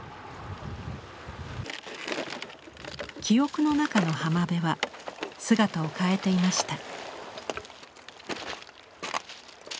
記憶の中の浜辺は姿を変えていました。